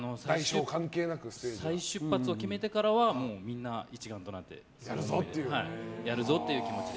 再出発を決めてからはみんな、一丸となってやるぞという気持ちで。